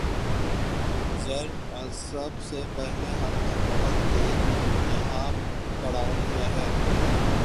ضرب عضب سے پہلے ہم نے بہت دیر یہاں پڑاؤ کیا ہے۔